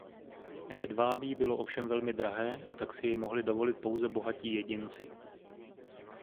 Hedvábí bylo ovšem velmi drahé a tak si jej mohli dovolit pouze bohatí jedinci.